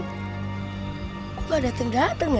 kok gak dateng dateng ya